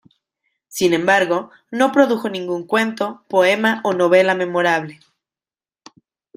Sin embargo, no produjo ningún cuento, poema o novela memorable.